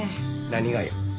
何がよ。